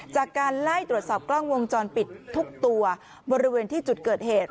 จากการไล่ตรวจสอบกล้องวงจรปิดทุกตัวบริเวณที่จุดเกิดเหตุ